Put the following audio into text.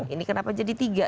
ini kenapa jadi tiga